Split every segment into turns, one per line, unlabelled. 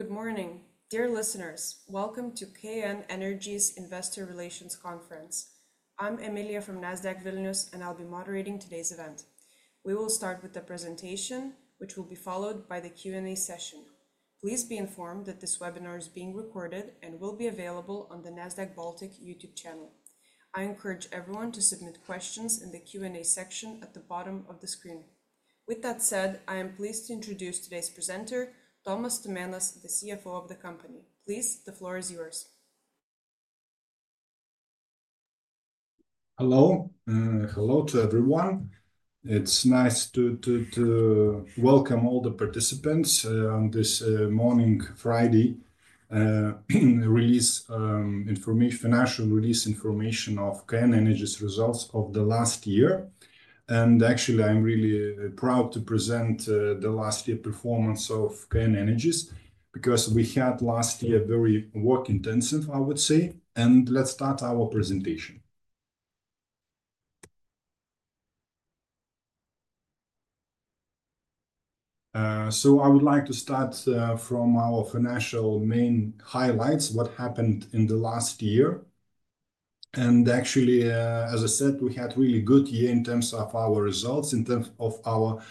Good morning, dear listeners. Welcome to KN Energies Investor Relations Conference. I'm Emilija from Nasdaq Vilnius, and I'll be moderating today's event. We will start with the presentation, which will be followed by the Q&A session. Please be informed that this webinar is being recorded and will be available on the Nasdaq Baltic YouTube channel. I encourage everyone to submit questions in the Q&A section at the bottom of the screen. With that said, I am pleased to introduce today's presenter, Tomas Tumėnas, the CFO of the company. Please, the floor is yours.
Hello. Hello to everyone. It's nice to welcome all the participants on this morning, Friday, financial release information of KN Energies' results of the last year. Actually, I'm really proud to present the last year's performance of KN Energies, because we had last year very work-intensive, I would say. Let's start our presentation. I would like to start from our financial main highlights, what happened in the last year. Actually, as I said, we had a really good year in terms of our results, in terms of our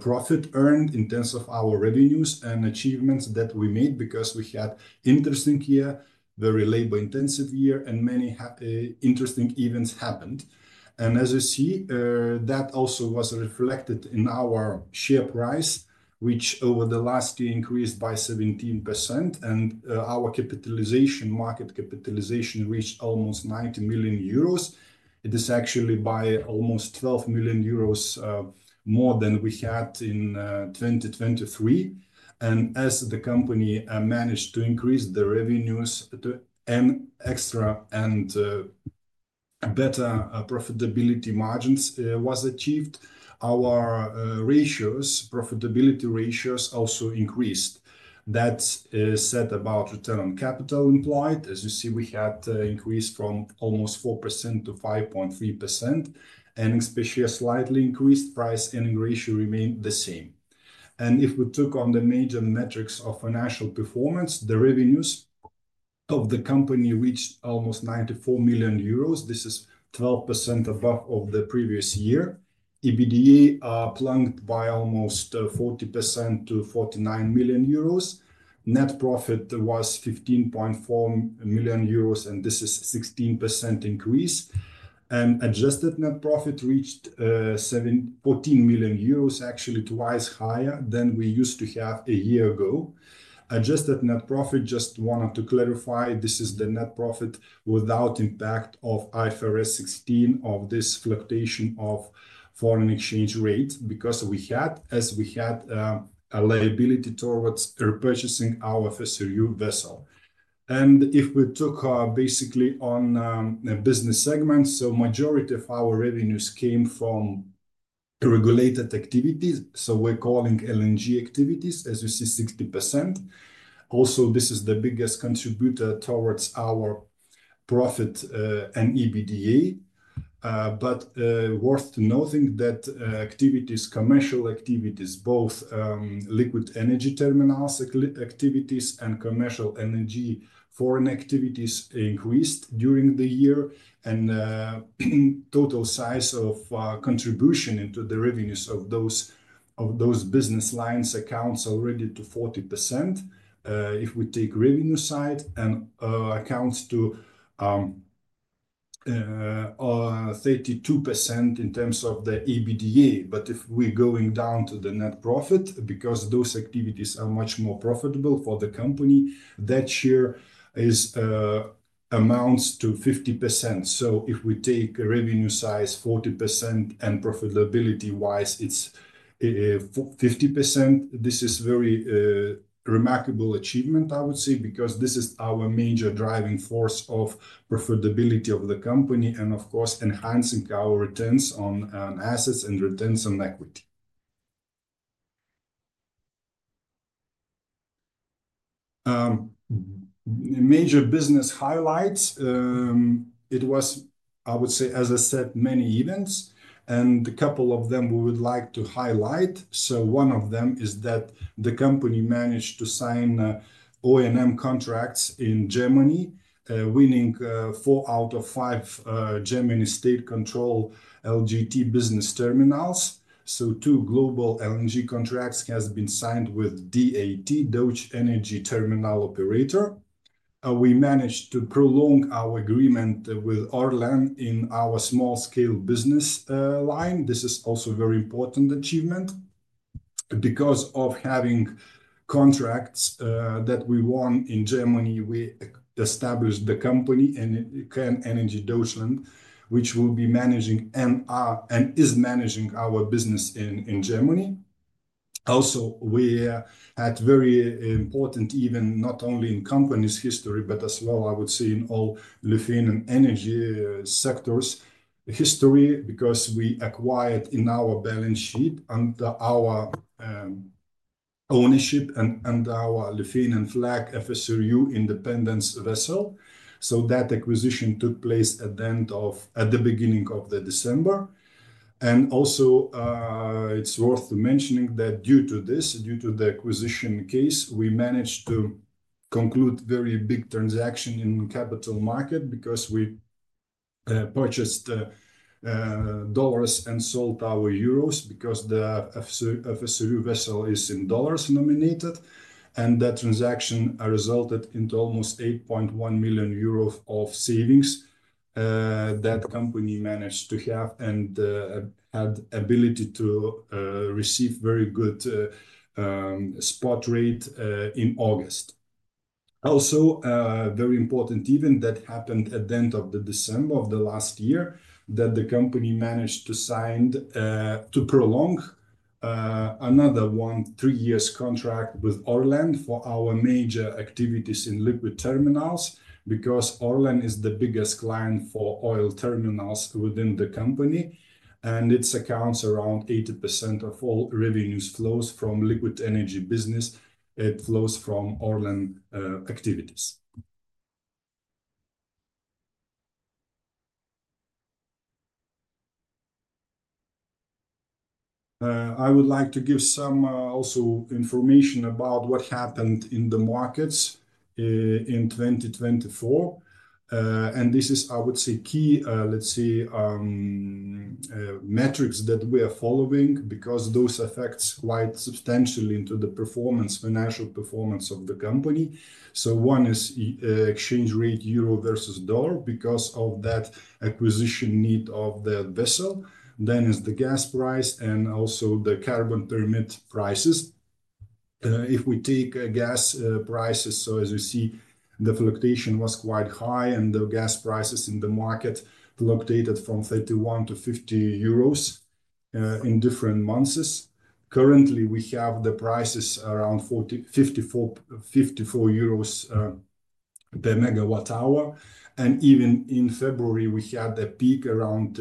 profit earned, in terms of our revenues and achievements that we made, because we had an interesting year, a very labor-intensive year, and many interesting events happened. As you see, that also was reflected in our share price, which over the last year increased by 17%. Our market capitalization reached almost 90 million euros. It is actually by almost 12 million euros more than we had in 2023. As the company managed to increase the revenues to an extra and better profitability margins were achieved, our profitability ratios also increased. That said, about return on capital employed, as you see, we had an increase from almost 4%-5.3%. Especially a slightly increased price earning ratio remained the same. If we took on the major metrics of financial performance, the revenues of the company reached almost 94 million euros. This is 12% above the previous year. EBITDA plunged by almost 40% to 49 million euros. Net profit was 15.4 million euros, and this is a 16% increase. Adjusted net profit reached 14 million euros, actually twice higher than we used to have a year ago. Adjusted net profit, just wanted to clarify, this is the net profit without impact of IFRS 16 or this fluctuation of foreign exchange rates, because we had, as we had, a liability towards repurchasing our FSRU vessel. If we took basically on a business segment, the majority of our revenues came from regulated activities, so we're calling LNG activities, as you see, 60%. This is the biggest contributor towards our profit and EBITDA. It is worth noting that commercial activities, both liquid energy terminals activities and commercial energy foreign activities, increased during the year. Total size of contribution into the revenues of those business lines accounts already to 40% if we take revenue side and accounts to 32% in terms of the EBITDA. If we're going down to the net profit, because those activities are much more profitable for the company, that share amounts to 50%. If we take revenue size, 40%, and profitability-wise, it's 50%. This is a very remarkable achievement, I would say, because this is our major driving force of profitability of the company and, of course, enhancing our returns on assets and returns on equity. Major business highlights. I would say, as I said, many events. A couple of them we would like to highlight. One of them is that the company managed to sign O&M contracts in Germany, winning four out of five German state-controlled LNG business terminals. Two global LNG contracts have been signed with DET, Deutsche Energy Terminal operator. We managed to prolong our agreement with Orlen in our small-scale business line. This is also a very important achievement because of having contracts that we won in Germany. We established the company and KN Energies Deutschland, which will be managing and is managing our business in Germany. Also, we had very important events, not only in the company's history, but as well, I would say, in all Lithuanian energy sectors history, because we acquired in our balance sheet under our ownership and under our Lithuanian flag, FSRU Independence vessel. That acquisition took place at the end of, at the beginning of December. Also, it's worth mentioning that due to this, due to the acquisition case, we managed to conclude a very big transaction in the capital market because we purchased dollars and sold our euros because the FSRU vessel is in dollars denominated. That transaction resulted in almost 8.1 million euros of savings that the company managed to have and had the ability to receive a very good spot rate in August. Also, a very important event that happened at the end of December of the last year that the company managed to prolong another one-three-year contract with Orlen for our major activities in liquid terminals, because Orlen is the biggest client for oil terminals within the company. It accounts for around 80% of all revenue flows from the liquid energy business. It flows from Orlen activities. I would like to give some also information about what happened in the markets in 2024. This is, I would say, key, let's say, metrics that we are following, because those affect quite substantially the performance, financial performance of the company. One is exchange rate euro versus dollar because of that acquisition need of the vessel. Then is the gas price and also the carbon permit prices. If we take gas prices, as you see, the fluctuation was quite high, and the gas prices in the market fluctuated from 31-50 euros in different months. Currently, we have the prices around 54 euros per MWh. Even in February, we had a peak around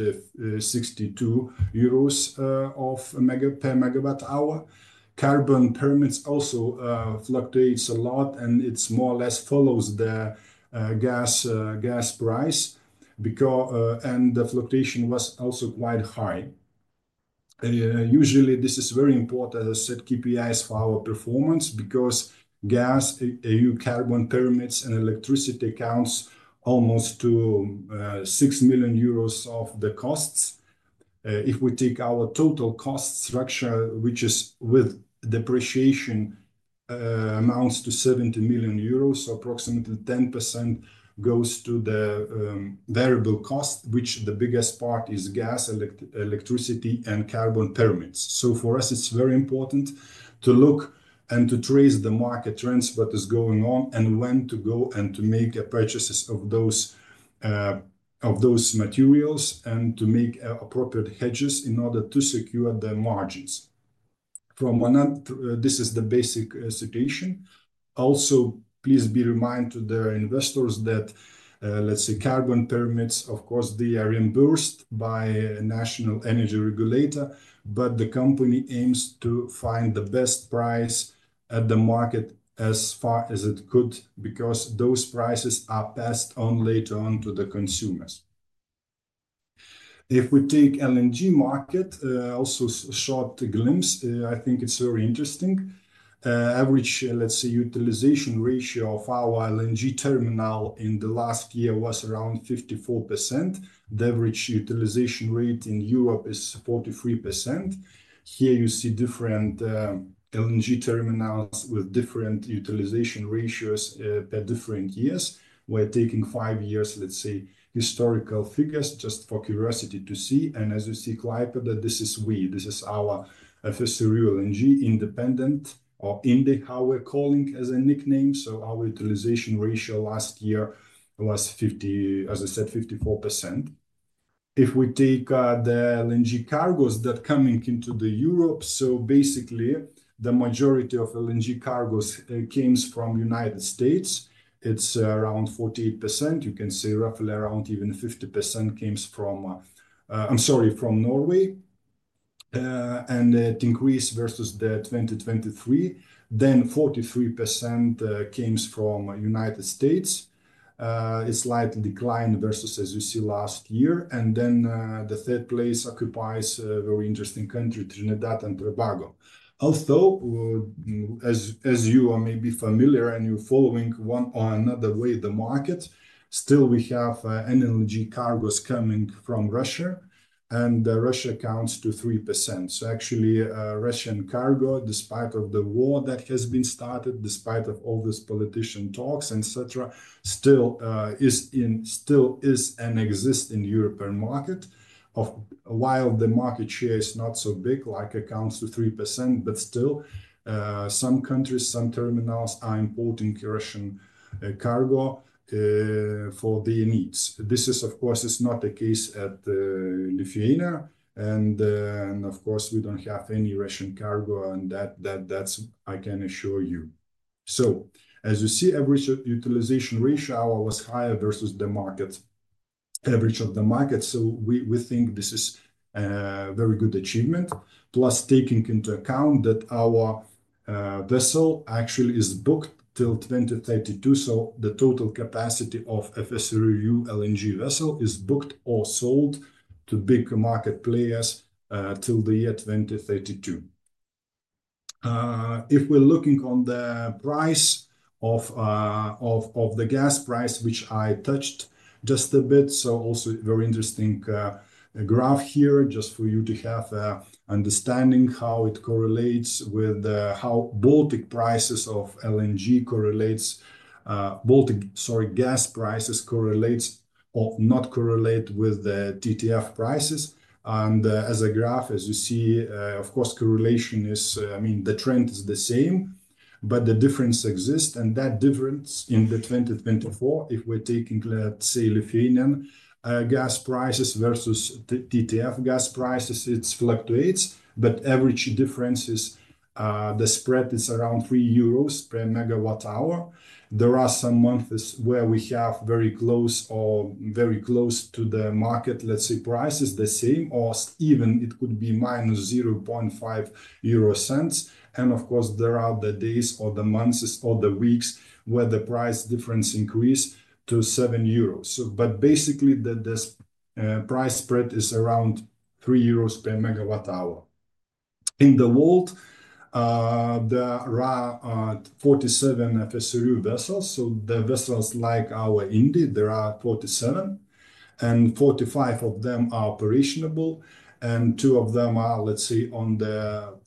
62 euros per MWh. Carbon permits also fluctuate a lot, and it more or less follows the gas price, and the fluctuation was also quite high. Usually, this is very important, as I said, KPIs for our performance, because gas, EU Carbon Permits, and electricity account for almost 6 million euros of the costs. If we take our total cost structure, which is with depreciation, it amounts to 70 million euros, so approximately 10% goes to the variable cost, with the biggest part being gas, electricity, and Carbon permits. For us, it's very important to look and to trace the market trends, what is going on, and when to go and to make purchases of those materials and to make appropriate hedges in order to secure the margins. From one end, this is the basic situation. Also, please be reminded to the investors that, let's say, Carbon permits, of course, they are reimbursed by a national energy regulator, but the company aims to find the best price at the market as far as it could, because those prices are passed on later on to the consumers. If we take the LNG market, also a short glimpse, I think it's very interesting. Average, let's say, utilization ratio of our LNG terminal in the last year was around 54%. The average utilization rate in Europe is 43%. Here you see different LNG terminals with different utilization ratios per different years. We're taking five years, let's say, historical figures just for curiosity to see. As you see, Klaipėda, this is we. This is our FSRU LNG Independence, or INDE, how we're calling it as a nickname. Our utilization ratio last year was, as I said, 54%. If we take the LNG cargoes that are coming into Europe, basically, the majority of LNG cargoes come from the United States. It's around 48%. You can see roughly around even 50% comes from, I'm sorry, from Norway. It increased versus 2023. Then 43% comes from the United States. It's a slight decline versus, as you see, last year. The third place occupies a very interesting country, Trinidad and Tobago. Although, as you may be familiar and you're following one or another way the market, still we have LNG cargoes coming from Russia. Russia accounts for 3%. Actually, Russian cargo, despite the war that has been started, despite all these politician talks, etc., still is an existing European market. While the market share is not so big, like accounts for 3%, but still some countries, some terminals are importing Russian cargo for their needs. This is, of course, not the case at Lithuania. Of course, we do not have any Russian cargo on that. That I can assure you. As you see, average utilization ratio was higher versus the market average of the market. We think this is a very good achievement, plus taking into account that our vessel actually is booked till 2032. The total capacity of FSRU LNG vessels is booked or sold to big market players till the year 2032. If we're looking on the price of the gas price, which I touched just a bit, also a very interesting graph here just for you to have an understanding of how it correlates with how Baltic prices of LNG correlate, Baltic, sorry, gas prices correlate or not correlate with the TTF prices. As a graph, as you see, of course, correlation is, I mean, the trend is the same, but the difference exists. That difference in 2024, if we're taking, let's say, Lithuanian gas prices versus TTF gas prices, it fluctuates. Average difference is the spread is around 3 euros per MWh. There are some months where we have very close or very close to the market, let's say, prices the same, or even it could be minus 0.5. Of course, there are the days or the months or the weeks where the price difference increases to 7 euros. Basically, this price spread is around 3 euros per MWh. In the world, there are 47 FSRU vessels. The vessels like our INDE, there are 47, and 45 of them are operational. Two of them are, let's say, on the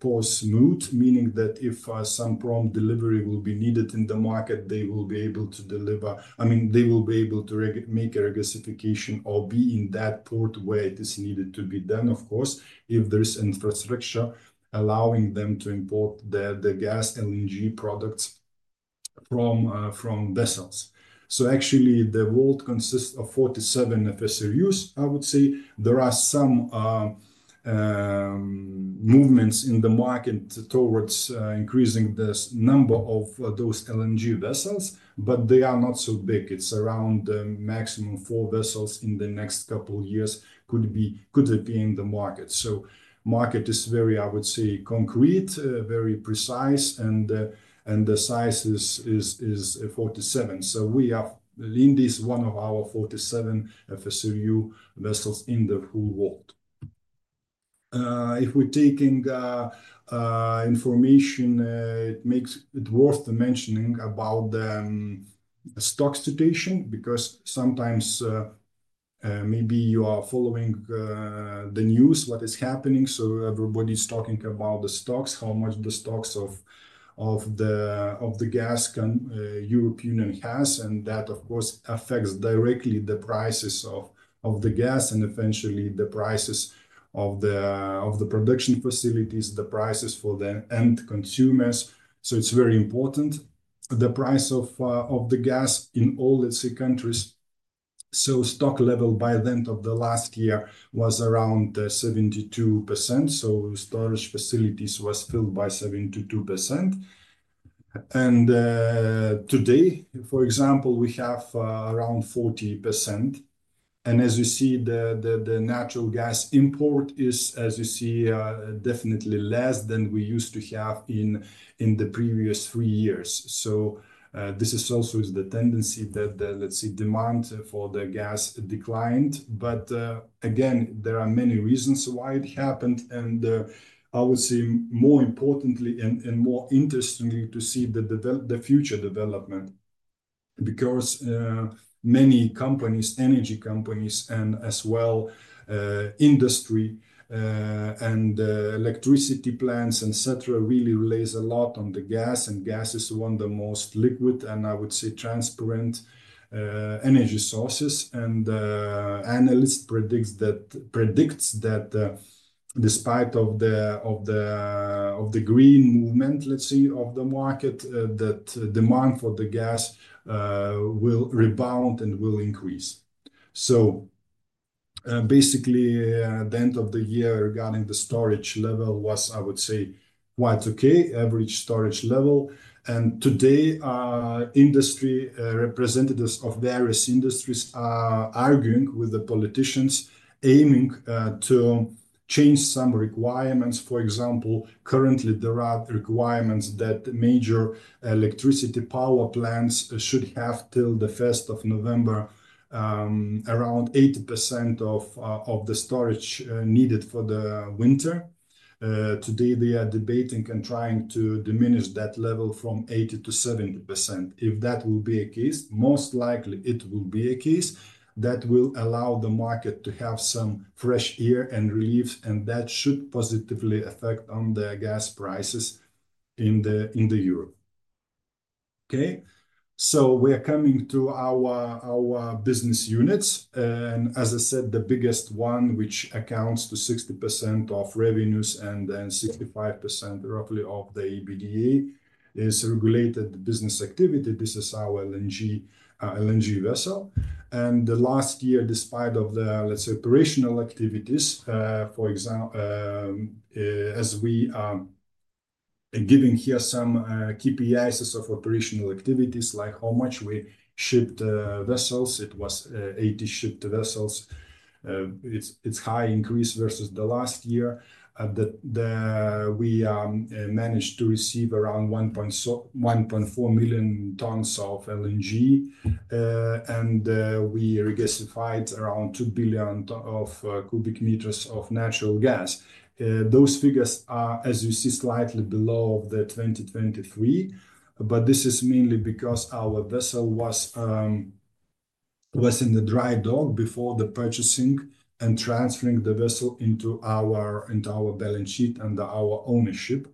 post-moot, meaning that if some prompt delivery will be needed in the market, they will be able to deliver. I mean, they will be able to make a regasification or be in that port where it is needed to be done, of course, if there is infrastructure allowing them to import the gas LNG products from vessels. Actually, the world consists of 47 FSRUs, I would say. There are some movements in the market towards increasing the number of those LNG vessels, but they are not so big. It's around the maximum four vessels in the next couple of years could be in the market. The market is very, I would say, concrete, very precise, and the size is 47. We have INDE as one of our 47 FSRU vessels in the whole world. If we're taking information, it makes it worth mentioning about the stock situation, because sometimes maybe you are following the news, what is happening. Everybody's talking about the stocks, how much the stocks of the gas the European Union has. That, of course, affects directly the prices of the gas and eventually the prices of the production facilities, the prices for the end consumers. It is very important, the price of the gas in all, let's say, countries. Stock level by the end of the last year was around 72%. Storage facilities were filled by 72%. Today, for example, we have around 40%. As you see, the natural gas import is definitely less than we used to have in the previous three years. This is also the tendency that, let's say, demand for the gas declined. Again, there are many reasons why it happened. I would say, more importantly and more interestingly, to see the future development, because many companies, energy companies, and as well industry and electricity plants, etc., really rely a lot on the gas. Gas is one of the most liquid and, I would say, transparent energy sources. Analysts predict that despite the green movement, let's say, of the market, demand for the gas will rebound and will increase. Basically, the end of the year regarding the storage level was, I would say, quite okay, average storage level. Today, industry representatives of various industries are arguing with the politicians, aiming to change some requirements. For example, currently, there are requirements that major electricity power plants should have till the 1st of November, around 80% of the storage needed for the winter. Today, they are debating and trying to diminish that level from 80%-70%. If that will be the case, most likely it will be the case that will allow the market to have some fresh air and relief, and that should positively affect the gas prices in Europe. Okay. We are coming to our business units. As I said, the biggest one, which accounts for 60% of revenues and then 65% roughly of the EBITDA, is regulated business activity. This is our LNG vessel. Last year, despite the, let's say, operational activities, for example, as we are giving here some KPIs of operational activities, like how much we shipped vessels, it was 80 shipped vessels. It is a high increase versus the last year that we managed to receive around 1.4 million tons of LNG. We regasified around 2 billion cu m of natural gas. Those figures are, as you see, slightly below 2023. This is mainly because our vessel was in the dry dock before the purchasing and transferring the vessel into our balance sheet under our ownership.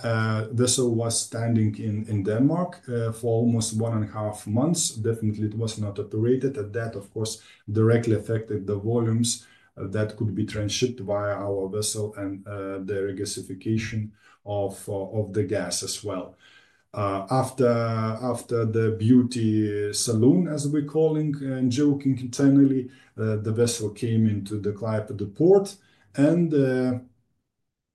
The vessel was standing in Denmark for almost one and a half months. Definitely, it was not operated. That, of course, directly affected the volumes that could be transshipped via our vessel and the regasification of the gas as well. After the beauty salon, as we're calling and joking internally, the vessel came into the Klaipėda port.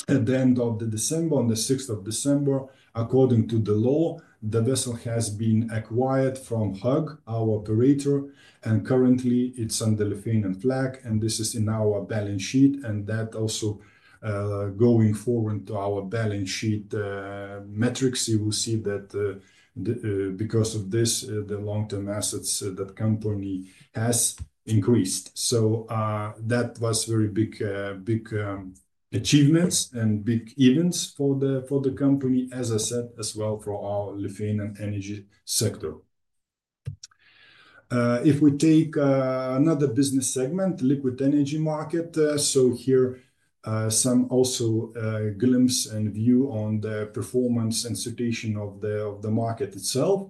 At the end of December, on the 6th of December, according to the law, the vessel has been acquired from Höegh, our operator. Currently, it's under Lithuanian flag. This is in our balance sheet. That also, going forward to our balance sheet metrics, you will see that because of this, the long-term assets that the company has increased. That was very big achievements and big events for the company, as I said, as well for our Lithuanian energy sector. If we take another business segment, Liquid Energy Market, here some also glimpse and view on the performance and situation of the market itself.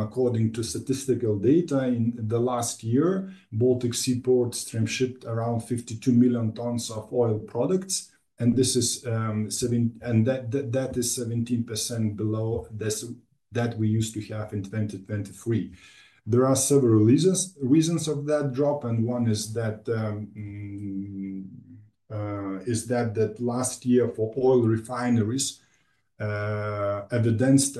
According to statistical data in the last year, Baltic Sea ports transshipped around 52 million tons of oil products. This is 17% below what we used to have in 2023. There are several reasons for that drop. One is that last year for oil refineries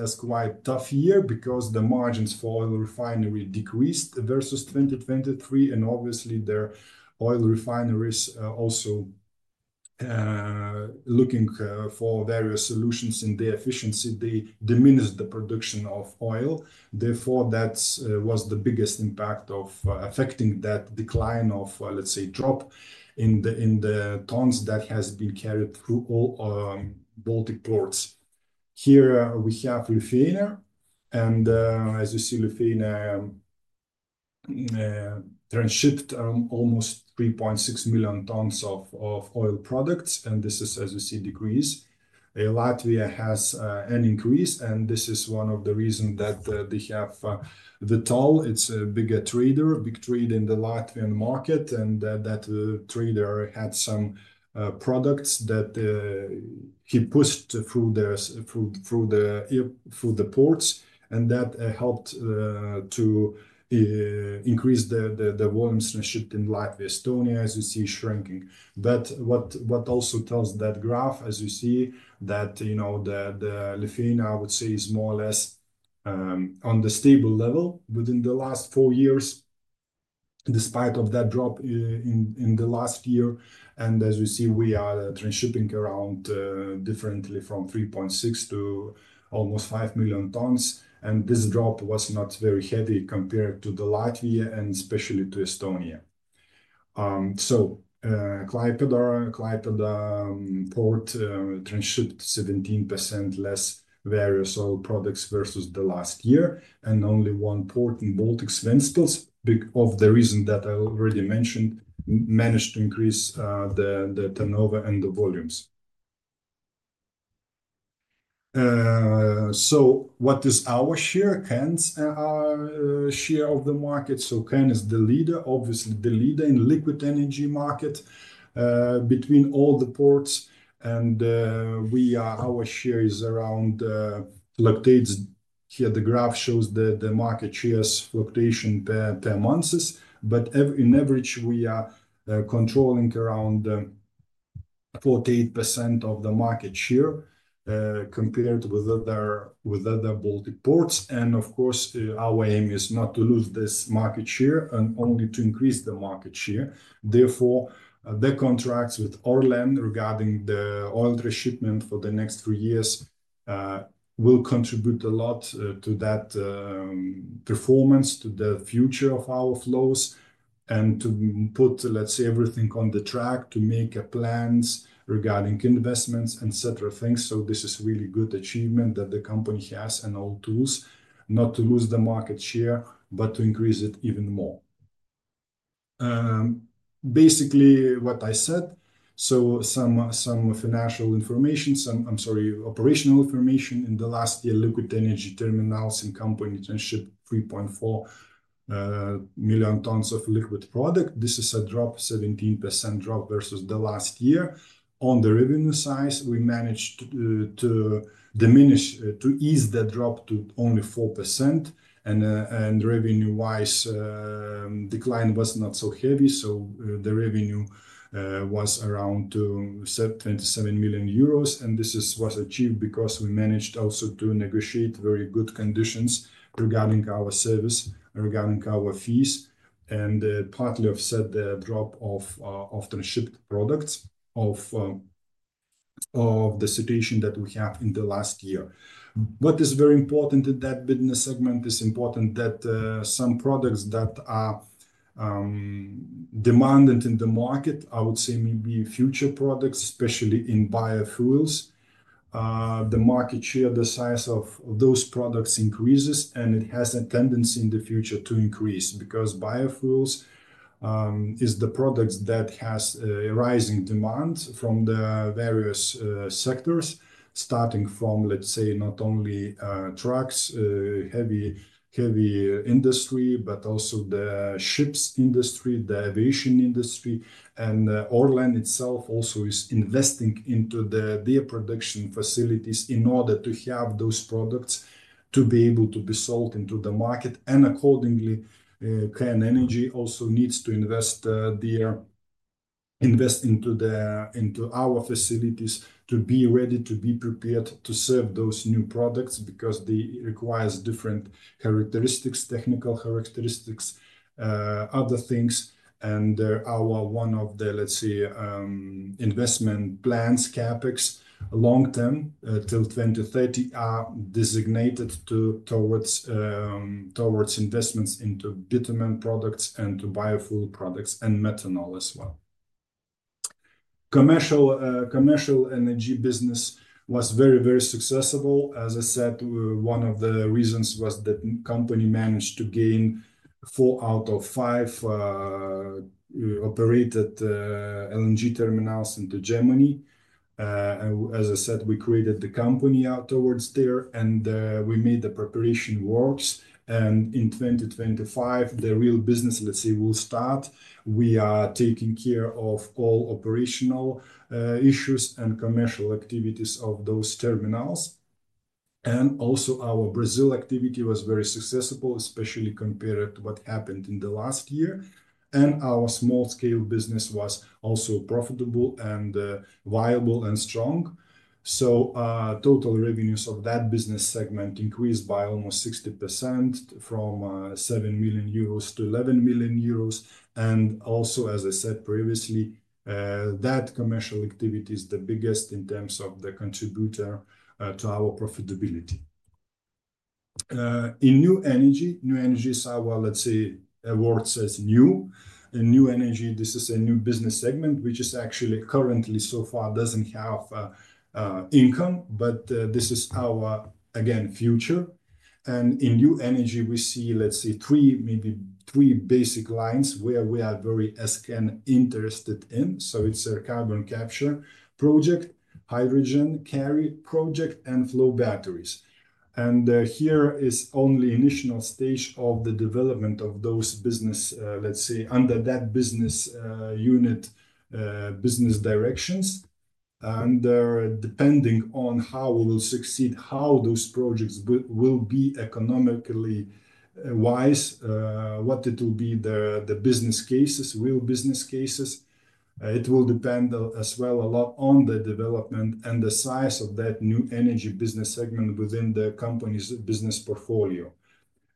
was quite a tough year because the margins for oil refinery decreased versus 2023. Obviously, oil refineries are also looking for various solutions in their efficiency; they diminished the production of oil. Therefore, that was the biggest impact affecting that decline of, let's say, drop in the tons that have been carried through all Baltic ports. Here we have Lithuania. As you see, Lithuania transshipped almost 3.6 million tons of oil products. This is, as you see, a decrease. Latvia has an increase. This is one of the reasons that they have the toll. It is a bigger trader, big trade in the Latvian market. That trader had some products that he pushed through the ports. That helped to increase the volumes transshipped in Latvia. Estonia, as you see, is shrinking. What also tells that graph, as you see, is that Lithuania, I would say, is more or less on the stable level within the last four years, despite that drop in the last year. As you see, we are transshipping around differently from 3.6 to almost 5 million tons. This drop was not very heavy compared to Latvia and especially to Estonia. Klaipėda port transshipped 17% less various oil products versus the last year. Only one port in the Baltics, Ventspils, for the reason that I already mentioned, managed to increase the turnover and the volumes. So what is our share? KN's share of the market. KN is the leader, obviously the leader in the liquid energy market between all the ports. Our share is around, fluctuates. Here the graph shows that the market share's fluctuation per month. In average, we are controlling around 48% of the market share compared with other Baltic ports. Of course, our aim is not to lose this market share and only to increase the market share. Therefore, the contracts with Orlen regarding the oil transshipment for the next three years will contribute a lot to that performance, to the future of our flows, and to put, let's say, everything on the track to make plans regarding investments, etc. This is a really good achievement that the company has and all tools not to lose the market share, but to increase it even more. Basically, what I said, some financial information, I'm sorry, operational information in the last year, liquid energy terminals in company transshipped 3.4 million tons of liquid product. This is a 17% drop versus the last year. On the revenue side, we managed to diminish, to ease the drop to only 4%. Revenue-wise, decline was not so heavy. The revenue was around 27 million euros. This was achieved because we managed also to negotiate very good conditions regarding our service, regarding our fees. Partly offset the drop of transshipped products of the situation that we have in the last year. What is very important in that business segment is important that some products that are demanded in the market, I would say maybe future products, especially in biofuels, the market share, the size of those products increases. It has a tendency in the future to increase because biofuels is the product that has a rising demand from the various sectors, starting from, let's say, not only trucks, heavy industry, but also the ships industry, the aviation industry. Orlen itself also is investing into their production facilities in order to have those products to be able to be sold into the market. Accordingly, KN Energies also needs to invest into our facilities to be ready, to be prepared to serve those new products because they require different characteristics, technical characteristics, other things. One of the, let's say, investment plans, CapEx, long-term till 2030, are designated towards investments into bitumen products and to biofuel products and methanol as well. Commercial Energy business was very, very successful. As I said, one of the reasons was that the company managed to gain four out of five operated LNG terminals in Germany. As I said, we created the company out towards there, and we made the preparation works. In 2025, the real business, let's say, will start. We are taking care of all operational issues and commercial activities of those terminals. Also, our Brazil activity was very successful, especially compared to what happened in the last year. Our Small-scale business was also profitable and viable and strong. Total revenues of that business segment increased by almost 60% from 7 million-11 million euros. Also, as I said previously, that commercial activity is the biggest in terms of the contributor to our profitability. In new energy, new energy is our, let's say, word says new. In new energy, this is a new business segment, which is actually currently so far doesn't have income. But this is our, again, future. In new energy, we see, let's say, three, maybe three basic lines where we are very interested in. It is a carbon capture project, hydrogen carrier project, and flow batteries. Here is only the initial stage of the development of those business, let's say, under that business unit, business directions. Depending on how we will succeed, how those projects will be economically wise, what it will be, the business cases, real business cases, it will depend as well a lot on the development and the size of that new energy business segment within the company's business portfolio.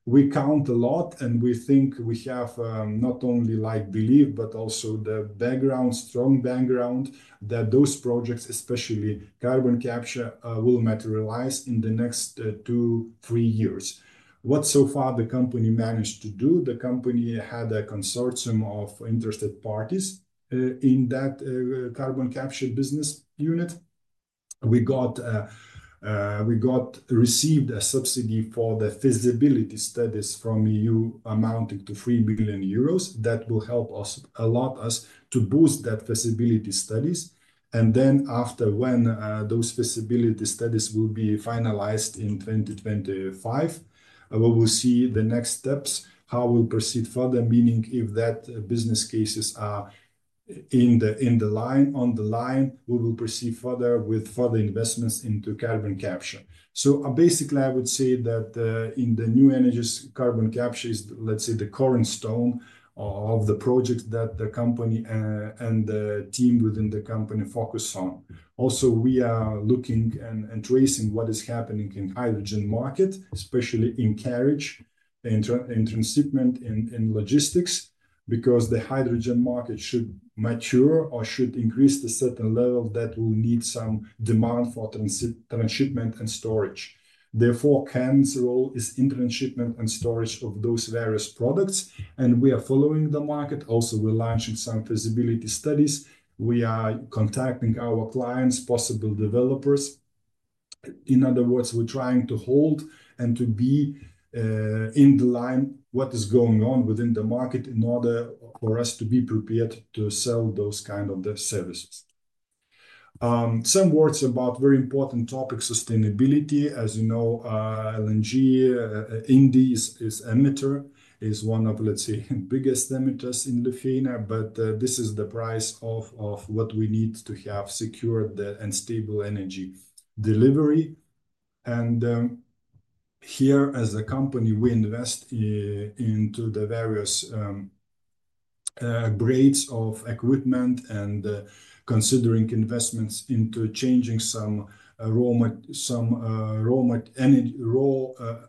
We count a lot, and we think we have not only belief, but also the background, strong background that those projects, especially carbon capture, will materialize in the next two, three years. What so far the company managed to do, the company had a consortium of interested parties in that carbon capture business unit. We received a subsidy for the feasibility studies from EU amounting to 3 million euros. That will help us a lot to boost that feasibility studies. After those feasibility studies will be finalized in 2025, we will see the next steps, how we'll proceed further, meaning if that business cases are in the line, on the line, we will proceed further with further investments into carbon capture. Basically, I would say that in the new energy, carbon capture is, let's say, the cornerstone of the project that the company and the team within the company focus on. Also, we are looking and tracing what is happening in the hydrogen market, especially in carriage, in transshipment, in logistics, because the hydrogen market should mature or should increase to a certain level that will need some demand for transshipment and storage. Therefore, KN's role is in transshipment and storage of those various products. We are following the market. Also, we're launching some feasibility studies. We are contacting our clients, possible developers. In other words, we're trying to hold and to be in the line with what is going on within the market in order for us to be prepared to sell those kinds of services. Some words about very important topics, sustainability. As you know, LNG, INDE is an emitter, is one of, let's say, the biggest emitters in Lithuania. This is the price of what we need to have secured and stable energy delivery. Here, as a company, we invest into the various grades of equipment and considering investments into changing some raw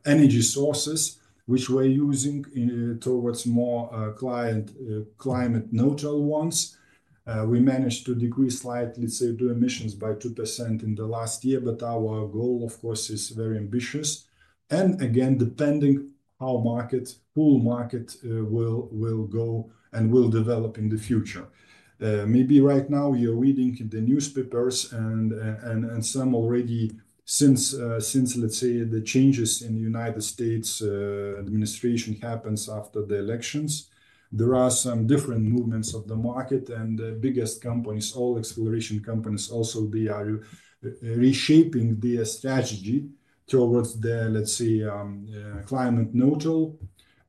energy sources, which we're using towards more climate neutral ones. We managed to decrease slightly, say, the emissions by 2% in the last year. Our goal, of course, is very ambitious. Again, depending on how market, full market will go and will develop in the future. Maybe right now you're reading in the newspapers and some already since, let's say, the changes in the United States administration happens after the elections, there are some different movements of the market. The biggest companies, all acceleration companies, also they are reshaping their strategy towards the, let's say, climate neutral.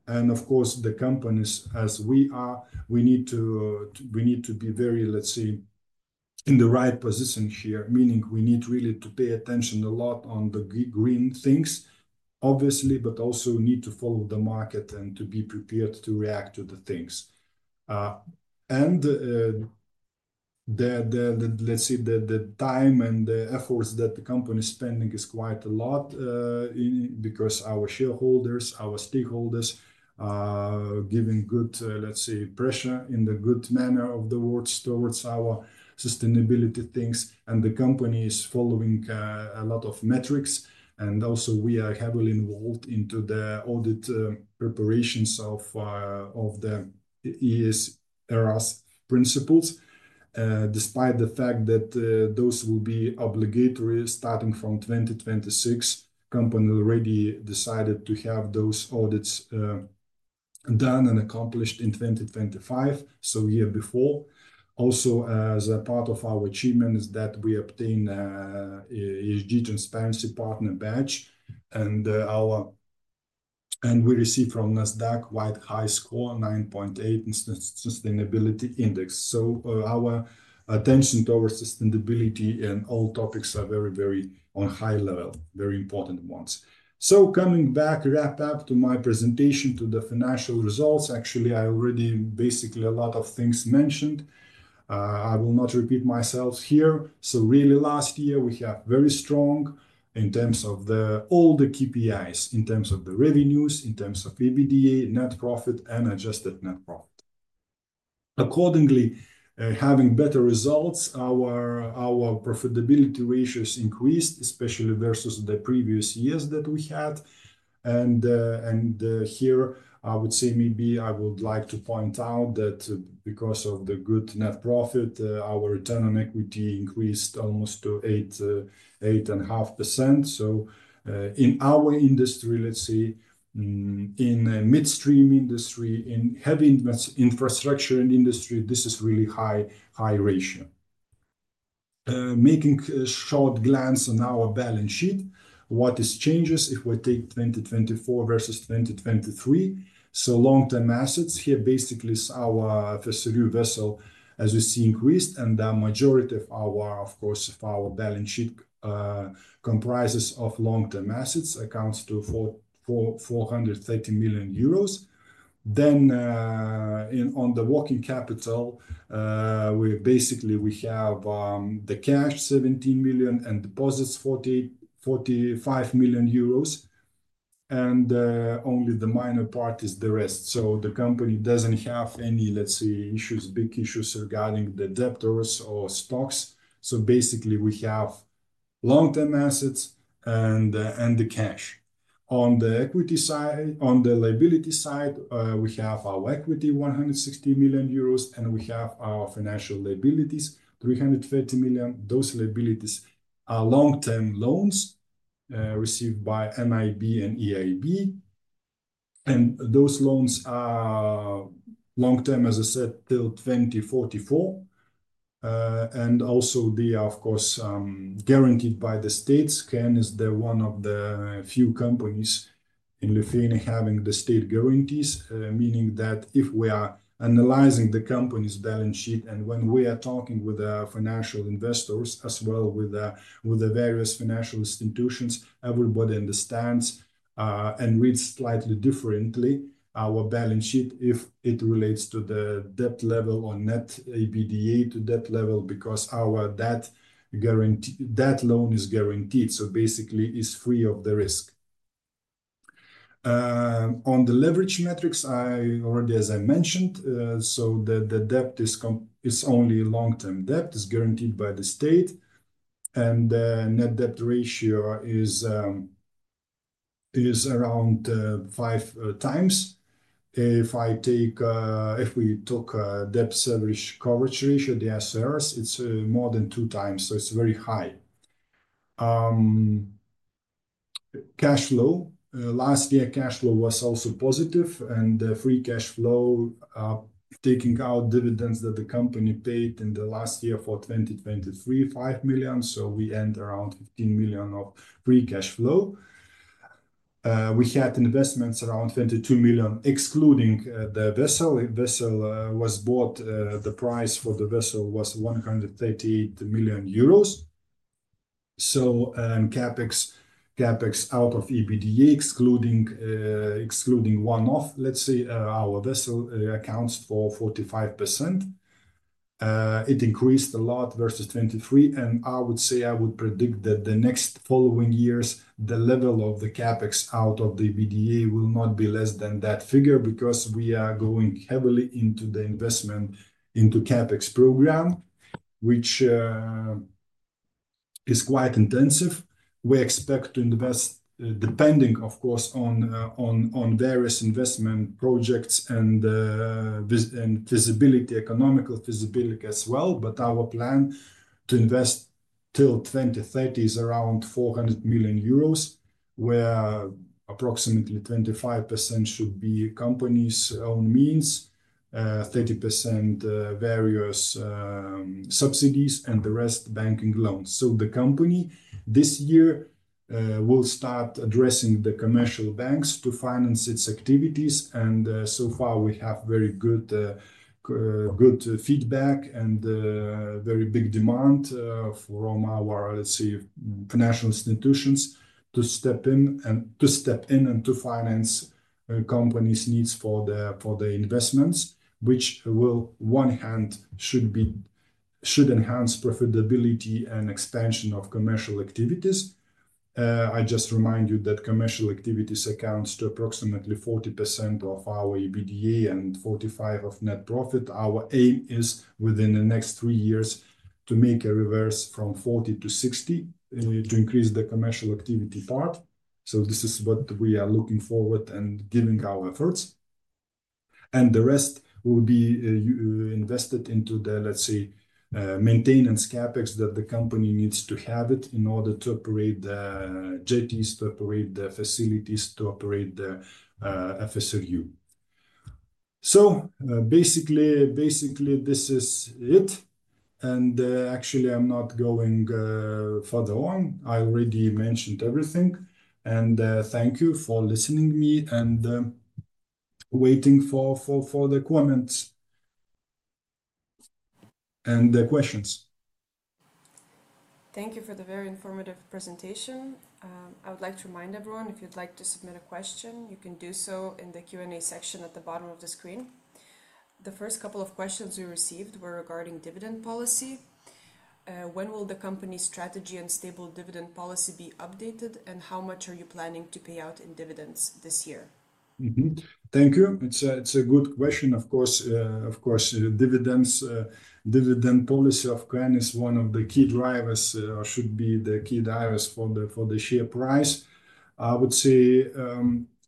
Of course, the companies, as we are, we need to be very, let's say, in the right position here, meaning we need really to pay attention a lot on the green things, obviously, but also need to follow the market and to be prepared to react to the things. Let's say the time and the efforts that the company is spending is quite a lot because our shareholders, our stakeholders are giving good, let's say, pressure in the good manner of the words towards our sustainability things. The company is following a lot of metrics. Also, we are heavily involved into the audit preparations of the ESRS principles, despite the fact that those will be obligatory starting from 2026. Company already decided to have those audits done and accomplished in 2025, so a year before. Also, as a part of our achievement is that we obtained an ESG Transparency Partner badge. We received from Nasdaq quite high score, 9.8 in Sustainability Index. Our attention towards sustainability and all topics are very, very on high level, very important ones. Coming back, wrap up to my presentation to the financial results. Actually, I already basically a lot of things mentioned. I will not repeat myself here. Really, last year, we have very strong in terms of all the KPIs, in terms of the revenues, in terms of EBITDA, net profit, and adjusted net profit. Accordingly, having better results, our profitability ratios increased, especially versus the previous years that we had. Here, I would say maybe I would like to point out that because of the good net profit, our return on equity increased almost to 8.5%. In our industry, let's say, in midstream industry, in heavy infrastructure and industry, this is really high, high ratio. Making a short glance on our balance sheet, what is changes if we take 2024 versus 2023? Long-term assets here basically is our FSRU vessel, as we see, increased. The majority of our, of course, of our balance sheet comprises of long-term assets, accounts to 430 million euros. On the working capital, we basically have the cash, 17 million, and deposits, 45 million euros. Only the minor part is the rest. The company doesn't have any, let's say, issues, big issues regarding the debtors or stocks. Basically, we have long-term assets and the cash. On the equity side, on the liability side, we have our equity, 160 million euros, and we have our financial liabilities, 330 million. Those liabilities are long-term loans received by NIB and EIB. Those loans are long-term, as I said, till 2044. They are, of course, guaranteed by the states. KN is one of the few companies in Lithuania having the state guarantees, meaning that if we are analyzing the company's balance sheet and when we are talking with financial investors as well with the various financial institutions, everybody understands and reads slightly differently our balance sheet if it relates to the debt level or net EBITDA to debt level because our debt loan is guaranteed. Basically, it's free of the risk. On the leverage metrics, as I mentioned, the debt is only long-term debt is guaranteed by the state. The net debt ratio is around 5x. If we took a debt service coverage ratio, the DSCR, it's more than 2x, so it's is very high. Cash flow, last year, cash flow was also positive. The free cash flow, taking out dividends that the company paid in the last year for 2023, 5 million. We end around 15 million of free cash flow. We had investments around 22 million, excluding the vessel. The vessel was bought, the price for the vessel was 138 million euros. CapEx out of EBITDA, excluding one-off, let's say, our vessel accounts for 45%. It increased a lot versus 2023. I would say I would predict that the next following years, the level of the CapEx out of the EBITDA will not be less than that figure because we are going heavily into the investment into CapEx program, which is quite intensive. We expect to invest, depending, of course, on various investment projects and feasibility, economical feasibility as well. Our plan to invest till 2030 is around 400 million euros, where approximately 25% should be company's own means, 30% various subsidies, and the rest banking loans. The company this year will start addressing the commercial banks to finance its activities. So far, we have very good feedback and very big demand from our, let's say, financial institutions to step in and to finance company's needs for the investments, which will, on one hand, should enhance profitability and expansion of commercial activities. I just remind you that commercial activities account to approximately 40% of our EBITDA and 45% of net profit. Our aim is within the next three years to make a reverse from 40%-60% to increase the commercial activity part. This is what we are looking forward and giving our efforts. The rest will be invested into the, let's say, maintenance CapEx that the company needs to have in order to operate the jetties, to operate the facilities, to operate the FSRU. Basically, this is it. Actually, I'm not going further on. I already mentioned everything. Thank you for listening to me and waiting for the comments and the questions.
Thank you for the very informative presentation. I would like to remind everyone, if you'd like to submit a question, you can do so in the Q&A section at the bottom of the screen. The first couple of questions we received were regarding dividend policy. When will the company's strategy and stable dividend policy be updated? How much are you planning to pay out in dividends this year?
Thank you. It's a good question. Of course, dividend policy of KN is one of the key drivers or should be the key drivers for the share price. I would say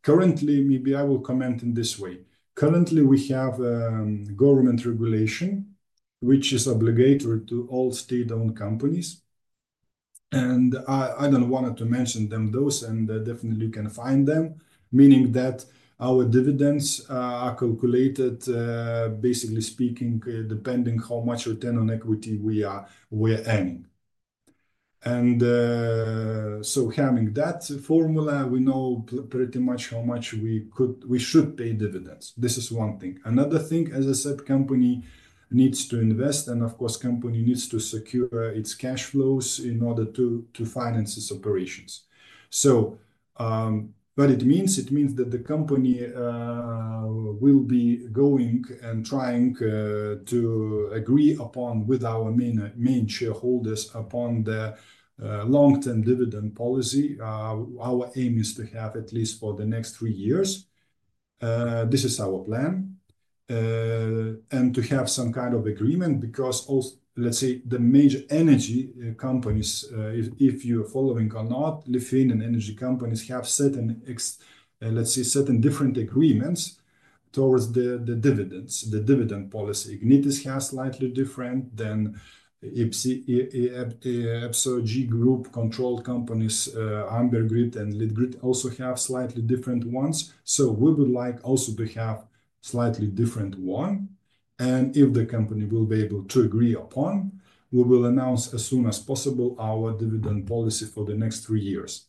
currently, maybe I will comment in this way. Currently, we have government regulation, which is obligatory to all state-owned companies. I do not want to mention them, those, and definitely you can find them, meaning that our dividends are calculated, basically speaking, depending on how much return on equity we are earning. Having that formula, we know pretty much how much we should pay dividends. This is one thing, another thing, as I said, company needs to invest. Of course, company needs to secure its cash flows in order to finance its operations. What it means, it means that the company will be going and trying to agree upon with our main shareholders upon the long-term dividend policy. Our aim is to have at least for the next three years. This is our plan. To have some kind of agreement because all, let's say, the major energy companies, if you're following or not, Lithuanian energy companies have certain, let's say, certain different agreements towards the dividends. The dividend policy, Ignitis has slightly different than EPSO-G Group controlled companies, Amber Grid and Litgrid also have slightly different ones. We would like also to have slightly different one. If the company will be able to agree upon, we will announce as soon as possible our dividend policy for the next three years.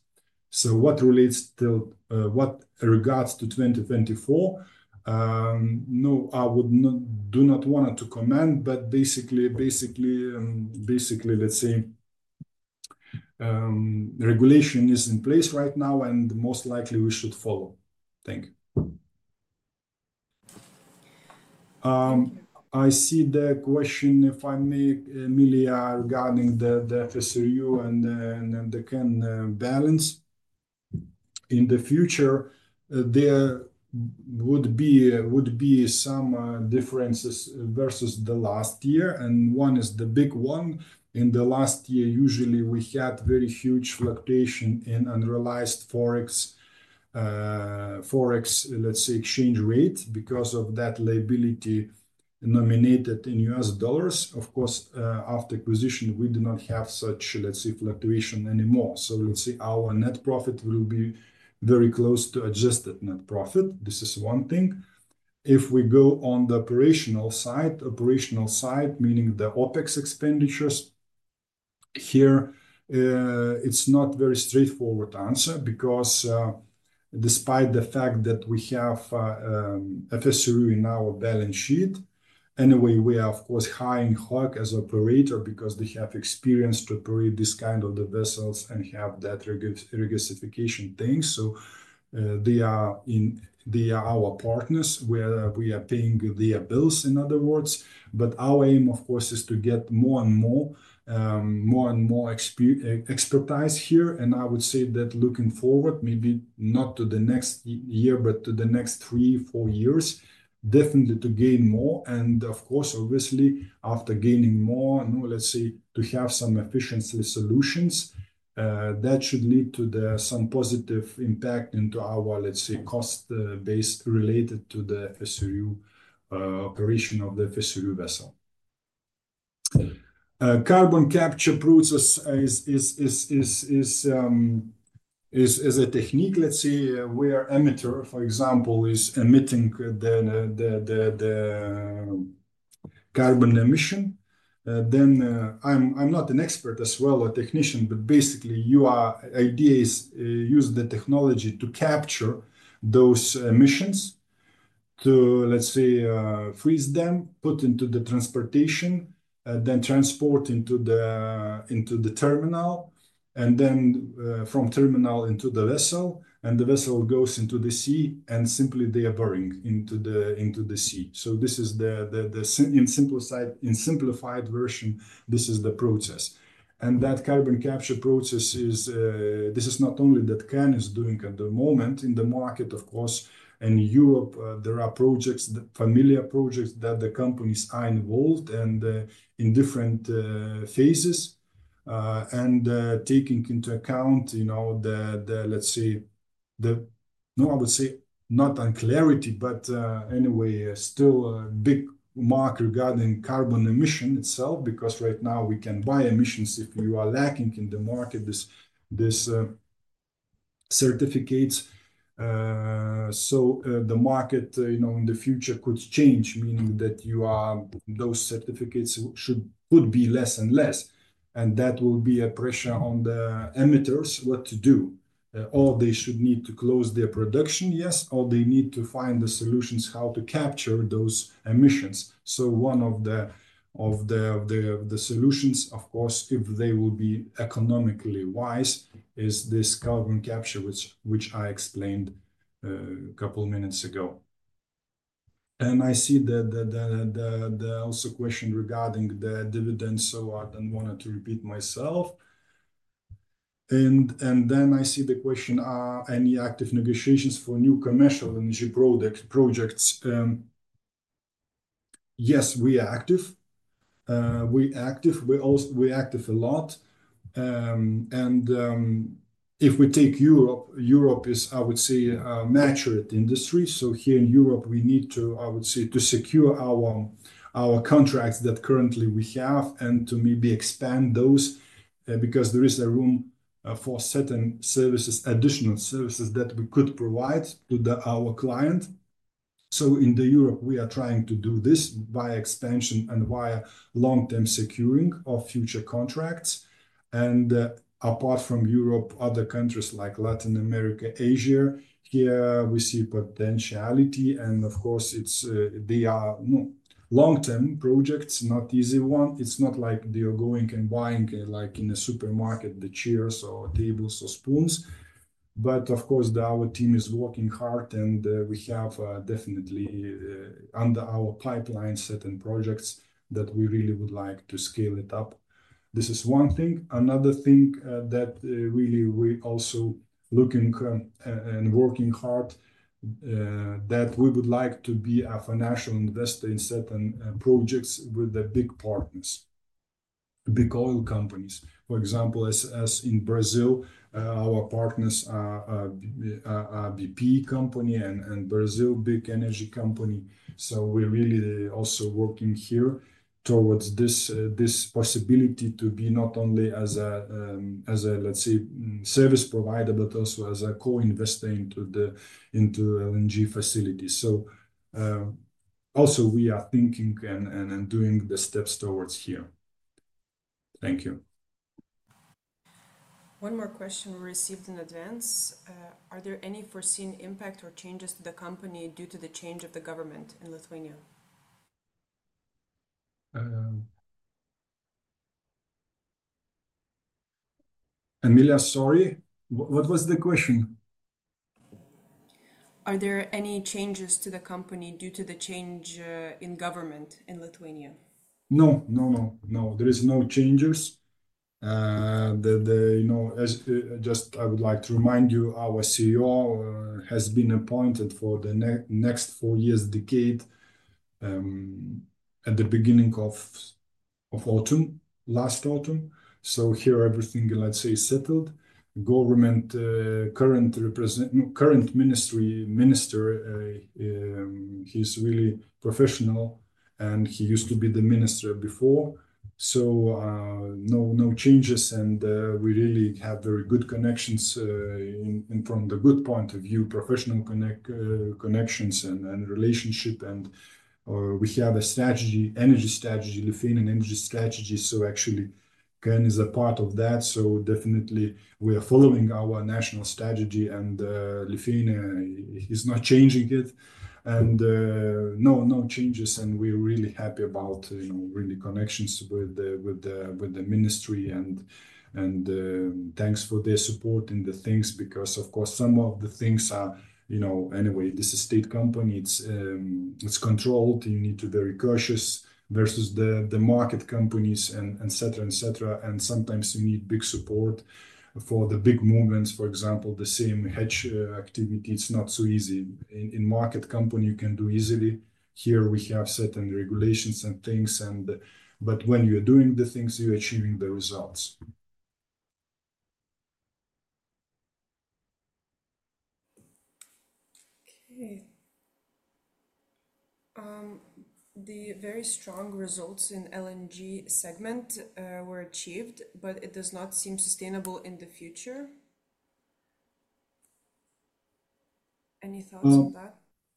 What relates to what regards to 2024? No, I would not, do not want to comment, but basically, let's say regulation is in place right now and most likely we should follow. Thank you. I see the question, if I may, Emilija, regarding the FSRU and the KN balance. In the future, there would be some differences versus the last year. One is the big one. In the last year, usually we had very huge fluctuation in unrealized forex, let's say, exchange rate because of that liability nominated in US dollars. Of course, after acquisition, we do not have such, let's say, fluctuation anymore. We will see our net profit will be very close to adjusted net profit. This is one thing. If we go on the operational side, operational side, meaning the OpEx expenditures here, it's not a very straightforward answer because despite the fact that we have FSRU in our balance sheet, anyway, we are, of course, high in Höegh LNG as an operator because they have experience to operate this kind of the vessels and have that regasification thing. They are our partners where we are paying their bills, in other words. Our aim, of course, is to get more and more and more expertise here. I would say that looking forward, maybe not to the next year, but to the next three, four years, definitely to gain more. Of course, obviously, after gaining more, let's say, to have some efficiency solutions that should lead to some positive impact into our, let's say, cost-based related to the FSRU operation of the FSRU vessel. Carbon capture process is a technique, let's say, where emitter, for example, is emitting the carbon emission. I am not an expert as well, a technician, but basically, your idea is to use the technology to capture those emissions, to, let's say, freeze them, put into the transportation, then transport into the terminal, and then from terminal into the vessel, and the vessel goes into the sea and simply they are buried into the sea. This is the, in simplified version, this is the process. That carbon capture process is, this is not only that KN is doing at the moment in the market, of course, and Europe, there are projects, familiar projects that the companies are involved in different phases. Taking into account, you know, the, let's say, the, no, I would say not unclarity, but anyway, still a big mark regarding carbon emission itself because right now we can buy emissions if you are lacking in the market, these certificates. The market, you know, in the future could change, meaning that you are, those certificates should be less and less. That will be a pressure on the emitters what to do. They should need to close their production, yes, or they need to find the solutions how to capture those emissions. One of the solutions, of course, if they will be economically wise, is this carbon capture, which I explained a couple of minutes ago. I see that the also question regarding the dividends, so I don't want to repeat myself. I see the question, any active negotiations for new commercial energy projects? Yes, we are active. We're active. We're active a lot. If we take Europe, Europe is, I would say, a mature industry. Here in Europe, we need to, I would say, secure our contracts that currently we have and to maybe expand those because there is a room for certain services, additional services that we could provide to our client. In Europe, we are trying to do this via expansion and via long-term securing of future contracts. Apart from Europe, other countries like Latin America, Asia, here we see potentiality. Of course, they are long-term projects, not easy one. It's not like they are going and buying like in a supermarket, the chairs or tables or spoons. Of course, our team is working hard and we have definitely under our pipeline certain projects that we really would like to scale it up. This is one thing. Another thing that really we also looking and working hard that we would like to be a financial investor in certain projects with the big partners, big oil companies. For example, as in Brazil, our partners are BP company and Brazil big energy company. We are really also working here towards this possibility to be not only as a, let's say, service provider, but also as a co-investor into the LNG facility. We are thinking and doing the steps towards here. Thank you.
One more question we received in advance. Are there any foreseen impact or changes to the company due to the change of the government in Lithuania?
Emilija, sorry. What was the question?
Are there any changes to the company due to the change in government in Lithuania?
No, no, no, no. There are no changes. I would like to remind you, our CEO has been appointed for the next four years' decade at the beginning of last autumn. Here everything, let's say, settled. Government, current minister, he's really professional and he used to be the minister before. No changes and we really have very good connections from the good point of view, professional connections and relationship. We have a strategy, energy strategy, Lithuanian Energy Strategy. Actually, KN is a part of that. Definitely we are following our national strategy and Lithuania is not changing it. No, no changes. We're really happy about, you know, really connections with the ministry and thanks for their support in the things because, of course, some of the things are, you know, anyway, this is a state company. It's controlled. You need to be very cautious versus the market companies and etc., etc. Sometimes you need big support for the big movements. For example, the same hedge activity, it's not so easy. In market company, you can do easily. Here we have certain regulations and things. When you're doing the things, you're achieving the results.
Okay. The very strong results in LNG segment were achieved, but it does not seem sustainable in the future. Any thoughts on that?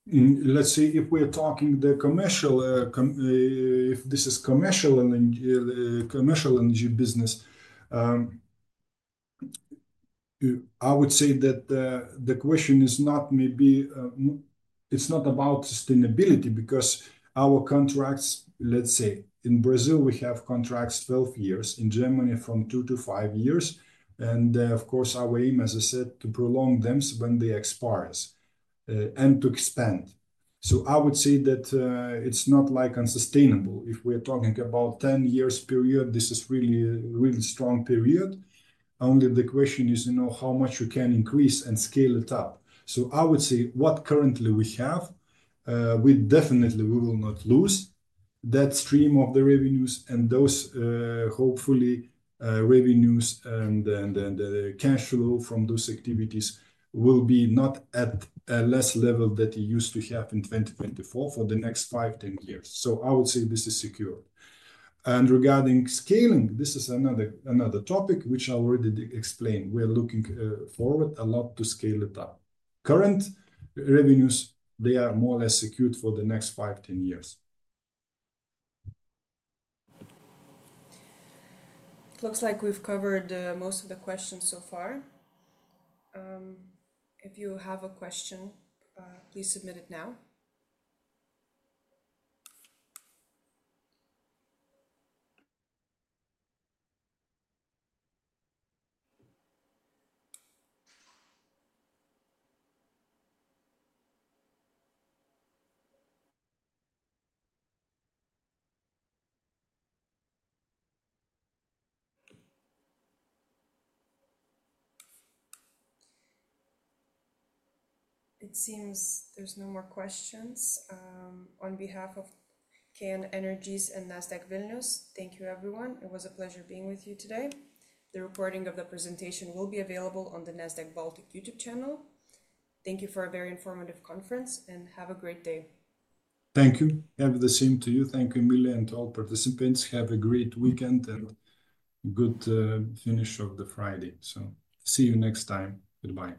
Let's say if we're talking the Commercial, if this is Commercial Energy business, I would say that the question is not maybe it's not about sustainability because our contracts, let's say, in Brazil, we have contracts 12 years. In Germany, from two to five years. Of course, our aim, as I said, to prolong them when they expire and to expand. I would say that it's not like unsustainable. If we're talking about a 10-year period, this is really a really strong period. Only the question is how much you can increase and scale it up? I would say what currently we have, we definitely will not lose that stream of the revenues and those hopefully revenues and the cash flow from those activities will be not at a less level that you used to have in 2024 for the next five to 10 years. I would say this is secure. And regarding scaling, this is another topic which I already explained. We're looking forward a lot to scale it up. Current revenues, they are more or less secured for the next five to 10 years.
It looks like we've covered most of the questions so far. If you have a question, please submit it now. It seems there's no more questions. On behalf of KN Energies and Nasdaq Vilnius, thank you everyone. It was a pleasure being with you today. The recording of the presentation will be available on the Nasdaq Baltic YouTube channel. Thank you for a very informative conference and have a great day.
Thank you. Have the same to you. Thank you, Emilija, and to all participants. Have a great weekend and good finish of the Friday. See you next time. Goodbye.